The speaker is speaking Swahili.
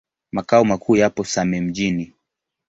Makao makuu yapo Same Mjini.